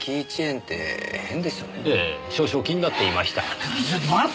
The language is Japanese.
少々気になっていました。